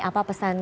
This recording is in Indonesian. apa pendapat anda